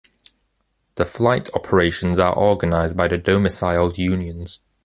The flight operations are organized by the domiciled unions.